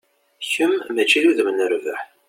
Kem, mačči d udem n rrbeḥ.